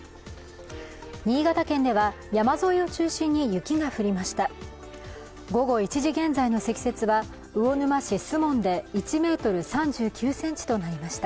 新潟県では山沿いを中心に雪が降りました。